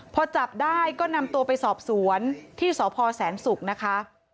พอจับได้ก็นำตัวไปสอบสวนที่สพแสนศุกร์นะคะ